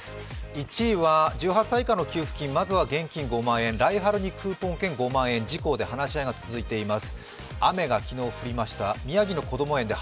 １位は１８歳以下の給付金、まずは現金５万円、来春にクーポン券５万円自・公で話し合いが続いています。